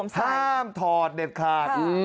ห้ามถอดเด็ดขาด